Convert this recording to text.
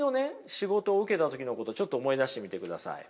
仕事を受けた時のことをちょっと思い出してみてください。